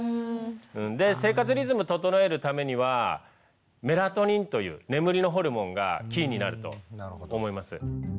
で生活リズム整えるためにはメラトニンという眠りのホルモンがキーになると思います。